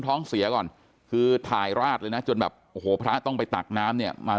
ท้องเสียก่อนคือถ่ายราดเลยนะจนแบบโอ้โหพระต้องไปตักน้ำเนี่ยมา